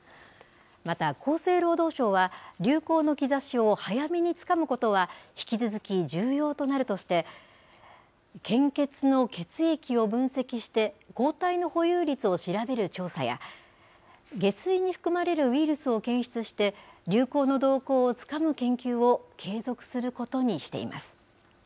また、厚生労働省は、流行の兆しを早めにつかむことは引き続き、重要となるとして、献血の血液を分析して抗体の保有率を調べる調査や、下水に含まれるウイルスを検出して、流行の動向をつかむ研究を継続することにしています。